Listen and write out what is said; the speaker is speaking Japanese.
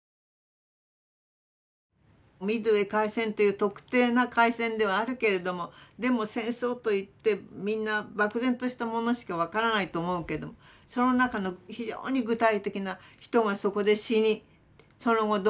ミッドウェー海戦という特定な海戦ではあるけれどもでも戦争といってみんな漠然としたものしか分からないと思うけどその中の非常に具体的な人がそこで死にその後どうなったかと。